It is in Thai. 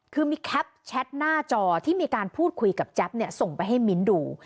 คือมีแคปแชทหน้าจอที่มีการพูดคุยกับแจ๊บเนี่ยส่งไปให้มิ้นดู